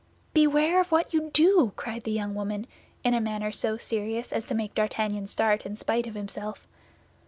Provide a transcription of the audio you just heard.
"Beware of what you do!" cried the young woman, in a manner so serious as to make D'Artagnan start in spite of himself.